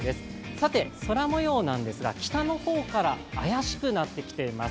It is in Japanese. さて、空もようなんですが、北の方から怪しくなってきています。